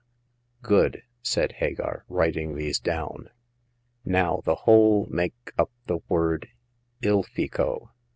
"Good !" said Hagar, writing these down. " Now, the whole make up the word * Ilfico.'